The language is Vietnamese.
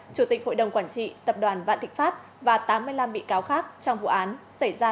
chủ tịch hội đồng quản trị tập đoàn vạn thịnh pháp và tám mươi năm bị cáo khác trong vụ án xảy ra